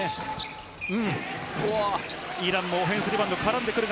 イランもオフェンスリバウンド絡んでくる。